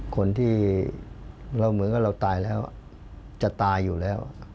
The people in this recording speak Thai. คนที่เราเหมือนกับเราตายแล้วจะตายอยู่แล้ว